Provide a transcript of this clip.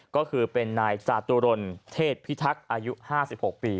ก็คือเป็นนายจาตุรนเทศพิทักษ์อายุ๕๖ปี